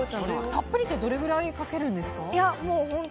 たっぷりってどれぐらいかけるんですか？